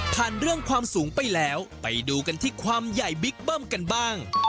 เรื่องความสูงไปแล้วไปดูกันที่ความใหญ่บิ๊กเบิ้มกันบ้าง